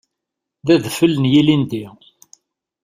D adfel n yilindi.